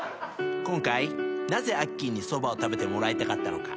今回なぜあっきーにそばを食べてもらいたかったのか。